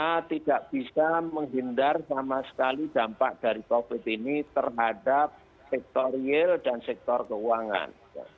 kita tidak bisa menghindar sama sekali dampak dari covid ini terhadap sektor real dan sektor keuangan